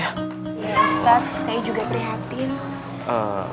ya ustadz saya juga prihatin